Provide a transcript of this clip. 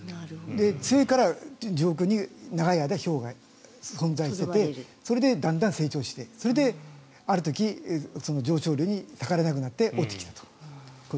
強いから上空に長い間、ひょうが存在していてそれでだんだん成長してそれである時上昇気流に逆らえなくなって落ちてきたと。